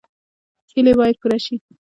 هیلې باید پوره شي